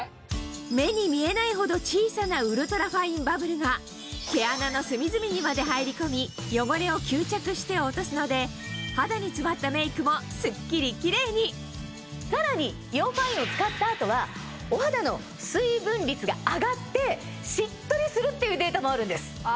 目に見えないほど小さなウルトラファインバブルが毛穴の隅々にまで入り込み汚れを吸着して落とすので肌に詰まったメイクもすっきりキレイにさらにＩＯファインを使った後はお肌の水分率が上がってしっとりするっていうデータもあるんです。